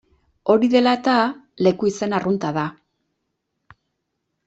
Hori dela eta leku izen arrunta da.